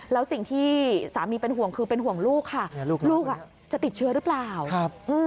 แล้วสิ่งที่สามีเป็นห่วงคือเป็นห่วงลูกค่ะลูกอ่ะจะติดเชื้อหรือเปล่าครับ